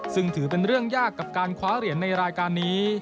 ซึ่งถือเป็นเรื่องยากกับการคว้าเหรียญในรายการนี้